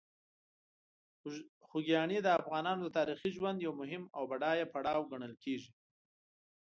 خوږیاڼي د افغانانو د تاریخي ژوند یو مهم او بډایه پړاو ګڼل کېږي.